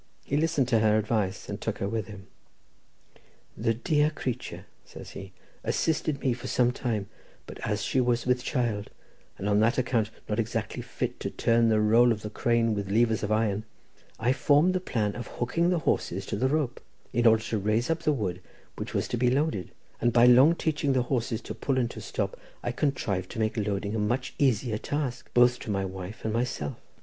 He listened to her advice, and took her with him. "The dear creature," says he, "assisted me for some time, but as she was with child, and on that account not exactly fit to turn the roll of the crane with levers of iron, I formed the plan of hooking the horses to the rope, in order to raise up the wood which was to be loaded, and by long teaching the horses to pull and to stop, I contrived to make loading a much easier task, both to my wife and myself.